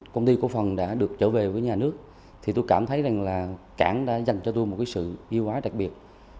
công ty cổ phần đã được trở về với nhà nước thì tôi cảm thấy rằng là cảng đã dành cho tôi một sự yêu quái đặc biệt